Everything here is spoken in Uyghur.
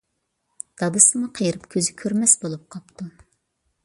دادىسىمۇ قېرىپ كۆزى كۆرمەس بولۇپ قاپتۇ.